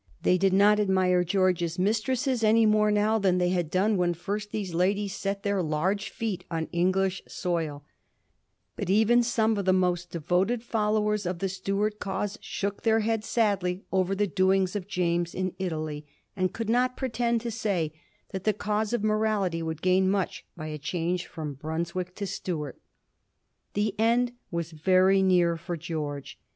They did not admire George's mistresses any more now than they had done when first these ladies set their large feet on English soil ; but even some of the most devoted followers of the Stuart cause shook their heads sadly over the doings of James in Italy, and could not pretend to say that the cause of morality would gain much by a change from Bruns wick to Stuart. The end was very near for George.